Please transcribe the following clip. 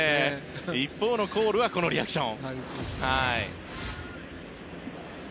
一方のコールはこのリアクション。